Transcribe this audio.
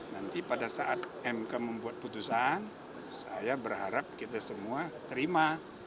nanti pada saat mk membuat putusan saya berharap kita semua terima